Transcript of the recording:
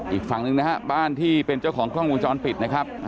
อีกฝั่งหนึ่งนะฮะบ้านที่เป็นเจ้าของกล้องวงจรปิดนะครับ